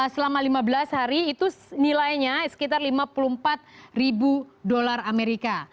selama lima belas hari itu nilainya sekitar lima puluh empat ribu dolar amerika